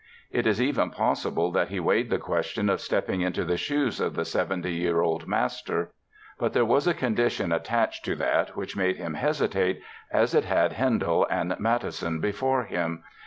It is even possible that he weighed the question of stepping into the shoes of the seventy year old master. But there was a condition attached to that which made him hesitate as it had Handel and Mattheson before him.